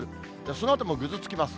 そのあともぐずつきます。